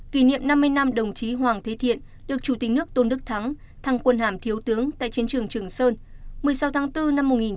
kỷ niệm năm mươi năm đồng chí hoàng thế thiện được chủ tịch nước tôn đức thắng thăng quân hàm thiếu tướng tại chiến trường trường sơn